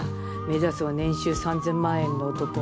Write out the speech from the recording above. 目指すは年収３０００万円の男。